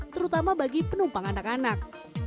terutama bagi penumpang anak anak